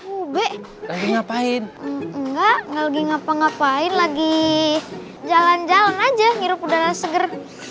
ube ngapain enggak lagi ngapa ngapain lagi jalan jalan aja ngirup udara seger